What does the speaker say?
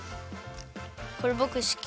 これぼくすき！